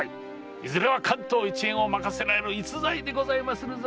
いずれは関東一円を任せられる逸材でございまするぞ。